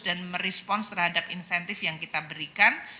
dan merespons terhadap insentif yang kita berikan